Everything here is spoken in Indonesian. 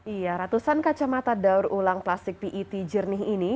iya ratusan kacamata daur ulang plastik pet jernih ini